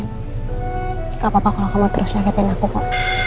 gak apa apa kalau kamu terus nyakitin aku kok